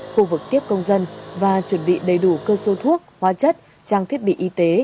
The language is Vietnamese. khu vực tiếp công dân và chuẩn bị đầy đủ cơ số thuốc hoa chất trang thiết bị y tế